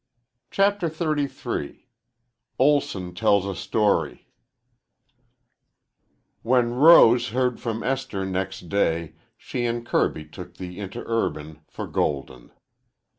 CHAPTER XXXIII OLSON TELLS A STORY When Rose heard from Esther next day she and Kirby took the Interurban for Golden.